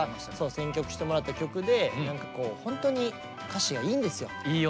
選曲してもらった曲でホントに歌詞がいいんですよ。